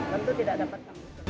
tentu tidak dapatkan usul